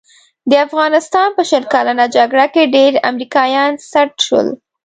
د افغانستان په شل کلنه جګړه کې ډېر امریکایان سټ شول.